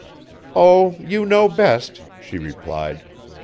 "Oh, you know best," she replied.